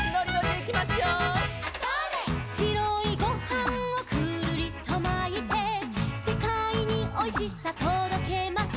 「しろいごはんをくるりとまいて」「せかいにおいしさとどけます」